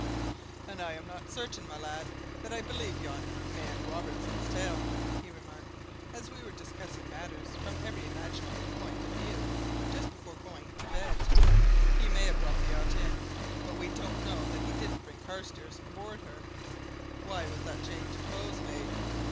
"And I'm not certain, my lad, that I believe yon man Robertson's tale," he remarked, as we were discussing matters from every imaginable point of view just before going to bed. "He may have brought the yacht in, but we don't know that he didn't bring Carstairs aboard her. Why was that change of clothes made?